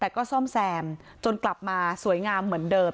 แต่ก็ซ่อมแซมจนกลับมาสวยงามเหมือนเดิม